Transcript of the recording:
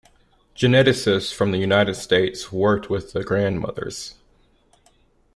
Geneticists from the United States worked with the Grandmothers.